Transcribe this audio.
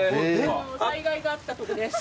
災害があったとこです。